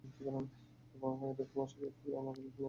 আবহাওয়ার এরকম অস্বাভাবিক অবস্থা ক্যালিফোর্নিয়ায় এর আগে দেখা যায়নি।